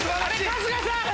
春日さん！